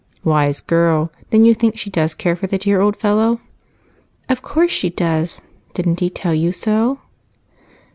"Wise girl! Then you think she does care for the dear old fellow?" "Of course she does. Didn't he tell you so?"